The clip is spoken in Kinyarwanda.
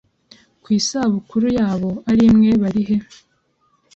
Ku isabukuru yabo ar imwe barihe?